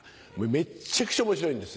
めっちゃくちゃ面白いんです。